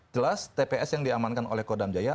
jelas tps yang diamankan oleh kodam jaya